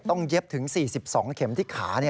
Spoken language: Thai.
เย็บถึง๔๒เข็มที่ขา